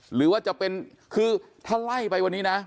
หรือว่าจะเป็นคือถ้าไล่ไปวันนี้นะ